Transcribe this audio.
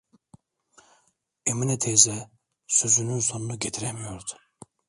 Emine teyze sözünün sonunu getiremiyordu.